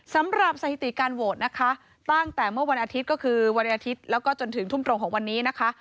สำหรับสถิติการโหวตนะคะตั้งแต่เมื่อวันอาทิตย์ก็คือวันอาทิตย์แล้วก็จนถึงทุ่มตรงของวันนี้นะคะ